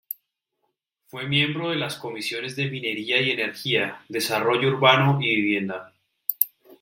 Fue miembro de las comisiones de Minería y Energía, Desarrollo Urbano y Vivienda.